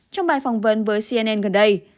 trong bài phỏng vấn với cnn gần đây